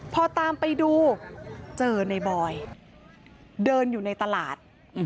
พอตามไปดูเจอในบอยเดินอยู่ในตลาด